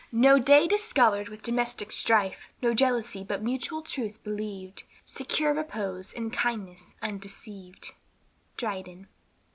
"No day discolored with domestic strife, No jealousy, but mutual truth believ'd, Secure repose and kindness undeceiv'd." Dryden.